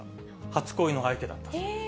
初恋の相手だったそう。